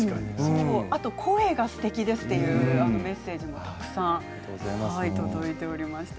あと声がすてきですというメッセージもたくさん届いておりました。